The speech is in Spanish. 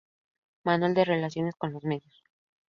Manual de relaciones con los medios.